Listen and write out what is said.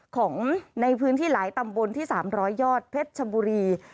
ของในพื้นที่หลายตำบลที่๓๐๐ยอดเพชรชบุรี